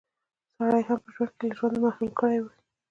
سړی يې هم په ژوند کښې له ژونده محروم کړی وي